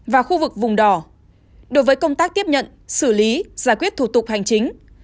và khu vực vùng đỏ đối với công tác tiếp nhận xử lý giải quyết thủ tục hành chính